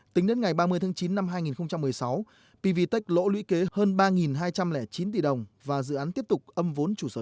tính đến ngày ba mươi tháng chín năm hai nghìn một mươi sáu pvtec lỗ lũy kế hơn ba hai trăm linh chín tỷ đồng và dự án tiếp tục âm vốn chủ sở hữu